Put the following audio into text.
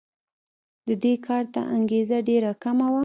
د دې کار ته انګېزه ډېره کمه وه.